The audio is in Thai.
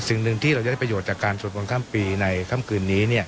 สิ่งหนึ่งที่เราจะได้ประโยชน์จากการสวดมนต์ข้ามปีในค่ำคืนนี้